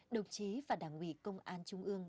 đồng chí và đảng ủy công an trung ương